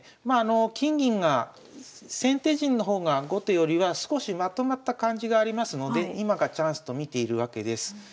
金銀が先手陣の方が後手よりは少しまとまった感じがありますので今がチャンスと見ているわけです。